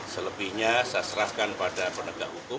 selebihnya saya serahkan pada penegak hukum